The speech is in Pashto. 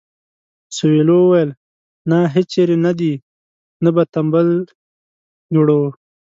سویلو وویل نه هیچېرې نه دې نه به تمبل جوړوو.